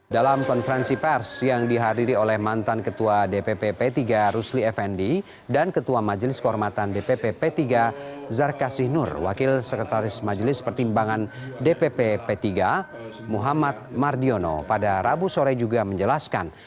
dalam konferensi pers yang dihadiri oleh mantan ketua dpp p tiga rusli effendi dan ketua majelis kehormatan dpp p tiga zarkasih nur wakil sekretaris majelis pertimbangan dpp p tiga muhammad mardiono pada rabu sore juga menjelaskan